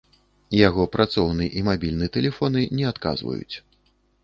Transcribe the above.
Яго працоўны і мабільны тэлефоны не адказваюць.